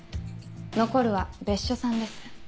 残るは別所さんです。